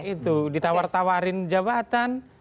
itu ditawarin jabatan